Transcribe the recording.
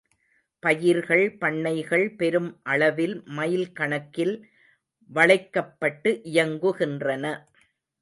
பயிர்கள் பண்ணைகள் பெரும் அளவில் மைல் கணக்கில் வளைக்கப்பட்டு இயங்குகின்றன.